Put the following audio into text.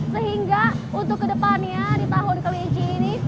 sehingga untuk kedepannya di tahun kelinci ini